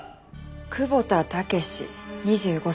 久保田武士２５歳。